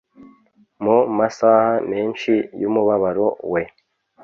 Mu masaha menshi y'umubabaro we,